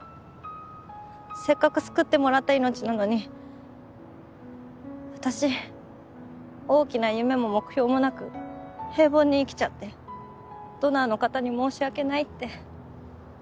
せっかく救ってもらった命なのに私大きな夢も目標もなく平凡に生きちゃってドナーの方に申し訳ないって。